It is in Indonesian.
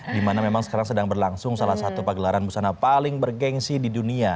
dimana memang sekarang sedang berlangsung salah satu pagelaran busana paling bergensi di dunia